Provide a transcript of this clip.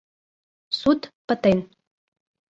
— Суд пытен.